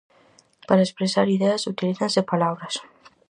Para expresar ideas utilízanse palabras.